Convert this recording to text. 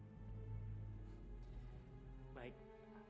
istri mas ini naluri bisnisnya tinggi sekali